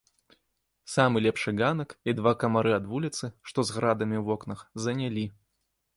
Самы лепшы ганак і два камары ад вуліцы, што з градамі ў вокнах, занялі.